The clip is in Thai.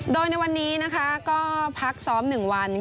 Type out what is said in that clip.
โดยในวันนี้นะคะก็พักซ้อม๑วัน